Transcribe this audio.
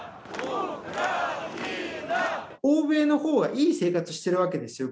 欧米のほうはいい生活してるわけですよ